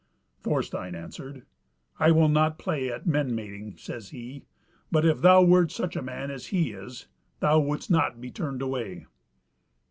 Thorstein answered: "I will not play at men mating," says he, "but if thou wert such a man as he is, thou wouldst not be turned away."